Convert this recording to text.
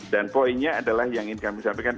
dan poinnya adalah yang ingin kami sampaikan